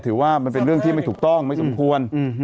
ถือว่าเป็นเรื่องที่ไม่ถูกต้องไม่สมควร